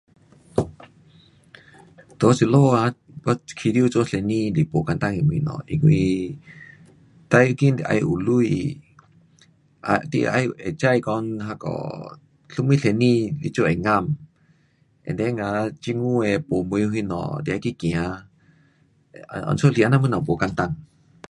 在这里啊，要开始做生意是没简单的东西，因为最要紧是要有钱，um 你得知道讲那个什么生意你做会 ngam，and then 哈政府没什么东西，你要去走，因此是这啊呐的东西是没简单。